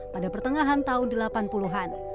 pada pertengahan tahun delapan puluh an